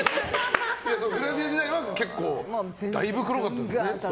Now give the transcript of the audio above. グラビア時代はだいぶ黒かったですよね。